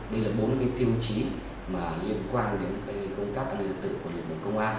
đây là bốn tiêu chí liên quan đến công tác an ninh tổ tự của liên minh công an